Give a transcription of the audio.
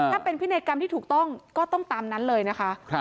ถ้าเป็นพินัยกรรมที่ถูกต้องก็ต้องตามนั้นเลยนะคะ